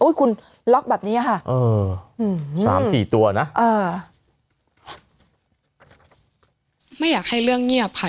คุณล็อกแบบนี้ค่ะ๓๔ตัวนะไม่อยากให้เรื่องเงียบค่ะ